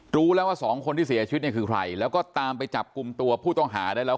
รู้แล้วว่าสองคนที่เสียชีวิตเนี่ยคือใครแล้วก็ตามไปจับกลุ่มตัวผู้ต้องหาได้แล้ว